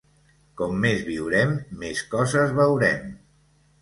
Com més viurem, més coses veurem.